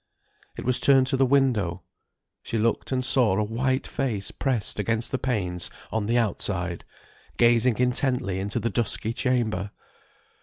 It was turned to the window; she looked and saw a white face pressed against the panes on the outside, gazing intently into the dusky chamber.